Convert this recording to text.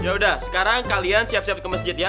yaudah sekarang kalian siap siap ke masjid ya